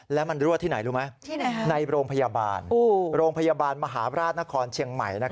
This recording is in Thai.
แล้วมันรั่วที่ไหนรู้ไหมในโรงพยาบาลโรงพยาบาลมหาราชนครเชียงใหม่